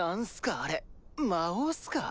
あれ魔王っすか？